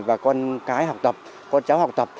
và con cái học tập con cháu học tập